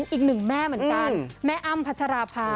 อีกหนึ่งแม่เหมือนกันแม่อ้ำพัชราภา